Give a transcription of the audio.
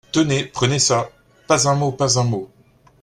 Tenez, prenez ça ! pas un mot ! pas un mot !